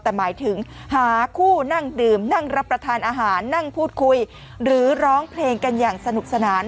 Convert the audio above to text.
แต่หมายถึงหาคู่นั่งดื่มนั่งรับประทานอาหารนั่งพูดคุยหรือร้องเพลงกันอย่างสนุกสนาน